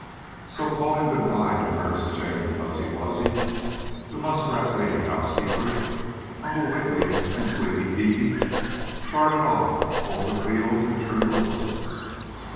So, calling good bye to Nurse Jane Fuzzy Wuzzy, the muskrat lady housekeeper, Uncle Wiggily and Squeaky Eeky started off over the fields and through the woods.